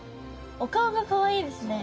お顔かわいいです。